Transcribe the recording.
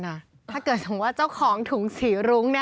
ถ้าเกิดถึงว่าเจ้าของถุงสีรุ้งนี่